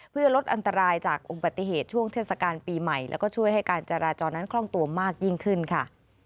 เพื่อลดอันตรายจากอุบัติเหตุช่วงเทศกาลปีใหม่แล้วก็ช่วยให้การจราจรนั้นคล่องตัวมากยิ่งขึ้นค่ะ